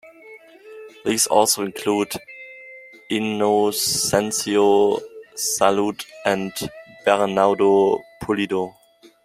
These also include Inocencio Salud and Bernardo Pulido.